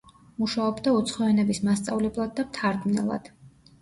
მუშაობდა უცხო ენების მასწავლებლად და მთარგმნელად.